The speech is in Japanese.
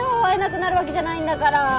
会えなくなるわけじゃないんだから。